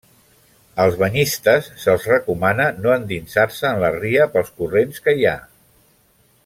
Als banyistes se'ls recomana no endinsar-se en la ria pels corrents que hi ha.